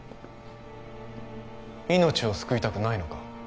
命を救いたくないのか？